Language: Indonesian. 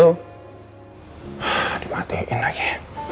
ah dimatiin lagi